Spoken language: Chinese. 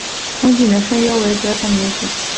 憧憬的声优为泽城美雪。